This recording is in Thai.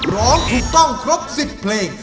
ร้องถูกต้องครบ๑๐เพลง